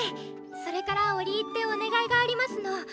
それから折り入ってお願いがありますの！